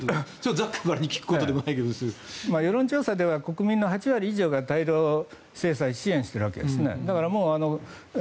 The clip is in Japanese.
世論調査では国民の８割以上が対ロ制裁を支援しているわけですね。